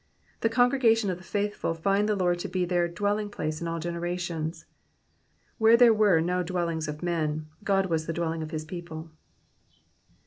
The congregation of the faithful find the Lord to be their dwelling place in all generations.'' Where there were no dwellings of men, God was the dwelling of his people.